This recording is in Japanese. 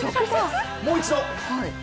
もう一度。